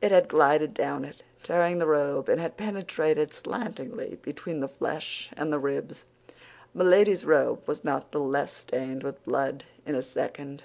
It had glided down it, tearing the robe, and had penetrated slantingly between the flesh and the ribs. Milady's robe was not the less stained with blood in a second.